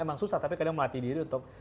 emang susah tapi kadang melatih diri untuk